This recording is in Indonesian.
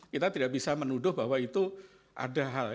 kita tidak bisa menuduh bahwa itu ada hal